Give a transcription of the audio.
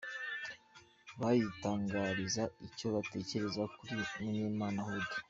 Bayitangariza icyo batekereza kuri Munyemana Hudu.